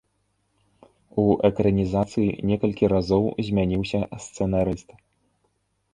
У экранізацыі некалькі разоў змяніўся сцэнарыст.